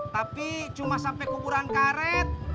tapi cuma sampai kuburan karet